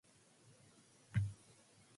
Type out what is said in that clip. He was a member of the House of Valois-Anjou.